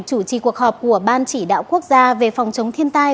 chủ trì cuộc họp của ban chỉ đạo quốc gia về phòng chống thiên tai